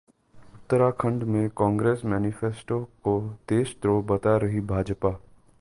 उत्तराखंड में कांग्रेस मैनिफेस्टो को देशद्रोह बता रही भाजपा